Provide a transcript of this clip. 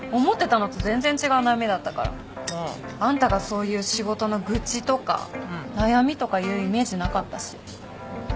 思ってたのと全然違う悩みだったから。あんたがそういう仕事の愚痴とか悩みとか言うイメージなかったし。